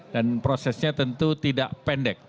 dan prosesnya tentu tidak pendek